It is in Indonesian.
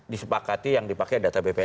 disepakati yang dipakai data bpn